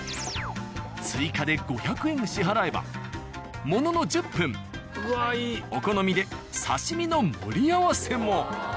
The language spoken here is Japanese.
追加で５００円支払えばものの１０分お好みで刺身の盛り合わせも。